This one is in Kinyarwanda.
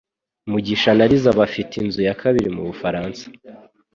Mugisha na Liz bafite inzu ya kabiri mubufaransa